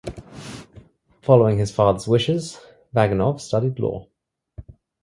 Following his father's wishes, Vaginov studied law.